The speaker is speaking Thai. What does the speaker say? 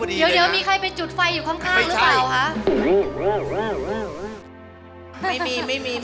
เดี๋ยวมีใครไปจุดไฟอยู่ข้างหรือเปล่าคะ